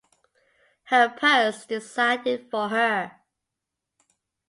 Her purse decided for her.